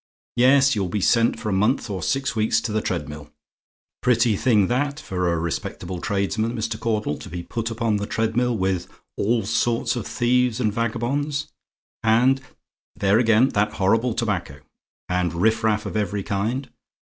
Yes, you'll be sent for a month or six weeks to the treadmill. Pretty thing that, for a respectable tradesman, Mr. Caudle, to be put upon the treadmill with all sorts of thieves and vagabonds, and there, again, that horrible tobacco! and riffraff of every kind.